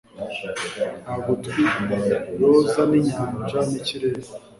Nka gutwi roza ninyanja nikirere